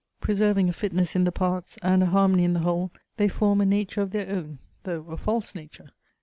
Preserving a fitness in the parts, and a harmony in the whole, they form a nature of their own, though a false nature.